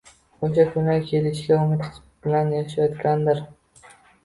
Oʻsha kunlar kelishiga umid bilan yashayotgandir.